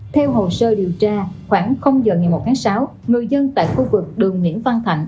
theo hồ sơ điều tra khoảng giờ ngày một tháng sáu người dân tại khu vực đường nguyễn văn thạnh